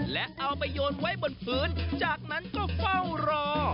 และเอาไปโยนไว้บนพื้นจากนั้นก็เฝ้ารอ